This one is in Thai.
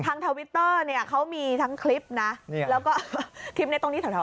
ทางทวิตเตอร์เขามีทั้งคลิปนะ